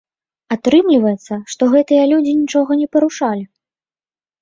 Атрымліваецца, што гэтыя людзі нічога не парушалі!